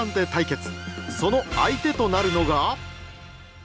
その相手となるのが。